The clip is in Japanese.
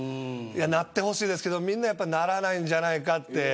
なってほしいですけどならないんじゃないかと。